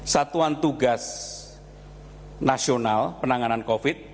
satuan tugas nasional penanganan covid sembilan belas